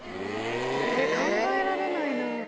考えられないな。